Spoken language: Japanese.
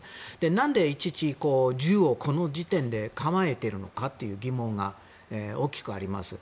なんでいちいち、銃をこの時点で構えているのかという疑問が大きくあります。